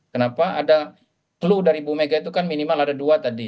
kenapa ada clue dari bu mega itu kan minimal ada dua tadi